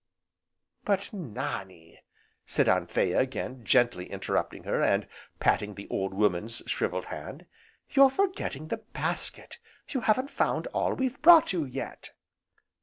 "But Nannie," said Anthea again, gently interrupting her, and patting the old woman's shrivelled hand, "you're forgetting the basket, you haven't found all we've brought you, yet."